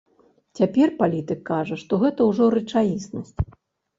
Цяпер палітык кажа, што гэта ўжо рэчаіснасць.